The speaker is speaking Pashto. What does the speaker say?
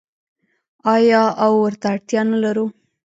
آیا او ورته اړتیا نلرو؟